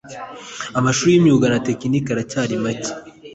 amashuri y imyuga na tekiniki aracyari make